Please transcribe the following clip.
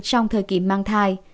trong thời kỳ mang thai